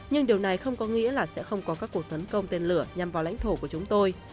nhưng điều này không có nghĩa là sẽ không có các cuộc tấn công tên lửa nhằm vào lãnh thổ của chúng tôi